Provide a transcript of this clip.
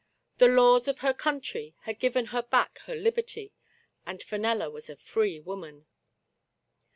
The laws of her country had given her back her liberty, and Fenella was a free woman.